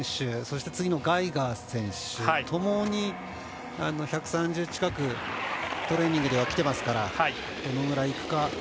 次のガイガー選手ともに１３０近くトレーニングではきていますから。